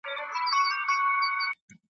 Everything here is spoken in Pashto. مدرسې یې د ښارونو کړلې بندي .